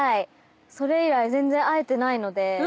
それ以来全然会えてないので。